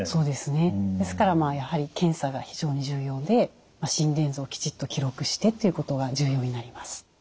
ですからやはり検査が非常に重要で心電図をきちっと記録してということが重要になります。